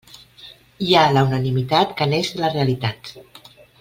Hi ha la unanimitat que neix de la realitat.